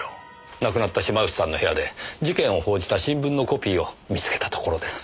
亡くなった島内さんの部屋で事件を報じた新聞のコピーを見つけたところです。